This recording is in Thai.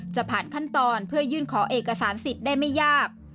จะผ่านขั้นตอนเพื่อยื่นขอเอกสารสิทธิ์ได้ไม่ยาก